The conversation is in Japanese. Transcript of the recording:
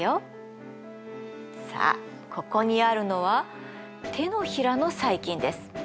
さあここにあるのは手のひらの細菌です。